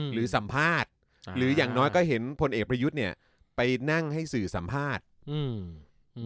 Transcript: หรือสัมภาษณ์หรืออย่างน้อยก็เห็นพลเอกประยุทธ์เนี่ยไปนั่งให้สื่อสัมภาษณ์อืม